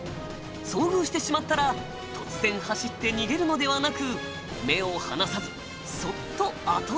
遭遇してしまったら突然走って逃げるのではなく目を離さずそっと後ずさり。